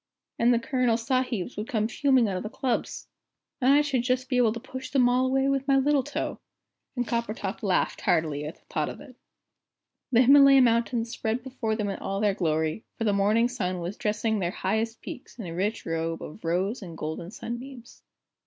And the Colonel Sahibs would come fuming out of the clubs! And I should just be able to push them all away with my little toe." And Coppertop laughed heartily at the thought of it. The Himalaya Mountains spread before them in all their glory, for the morning sun was dressing their highest peaks in a rich robe of rose and golden sunbeams.